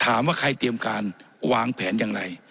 ถามว่าใครเตรียมการวางแผนอย่างไร